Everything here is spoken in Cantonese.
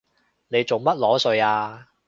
你做乜裸睡啊？